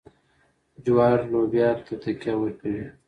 جوار لوبیا ته تکیه ورکوي.